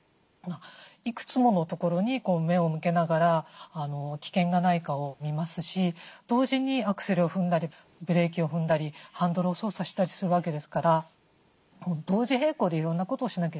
いくつものところに目を向けながら危険がないかを見ますし同時にアクセルを踏んだりブレーキを踏んだりハンドルを操作したりするわけですから同時並行でいろんなことをしなければいけない。